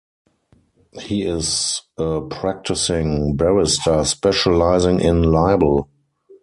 He is a practising barrister specialising in libel.